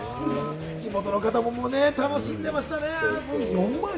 地元の方も楽しんでましたね。